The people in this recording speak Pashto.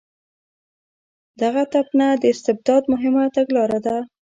دغه تپنه د استبداد مهمه تګلاره ده.